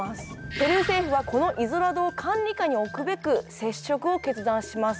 ペルー政府はこのイゾラドを管理下に置くべく接触を決断します。